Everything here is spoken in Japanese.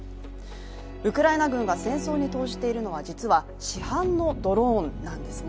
ウクライナ軍が戦争に投じているのが、実は市販のドローンなんですね。